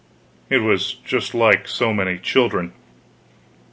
It was just like so many children.